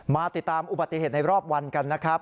มาติดตามอุบัติเหตุในรอบวันกันนะครับ